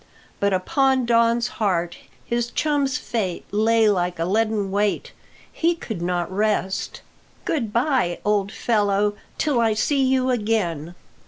But upon Don's heart his chum's fate lay like a leaden weight. He could not rest. "Good bye, old fellow, till I see you again."